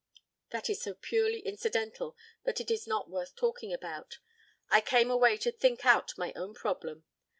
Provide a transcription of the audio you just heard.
"That is so purely incidental that it is not worth talking about. I came away to think out my own problem.